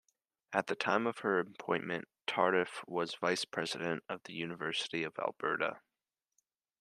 At the time of her appointment, Tardif was vice-president of the University of Alberta.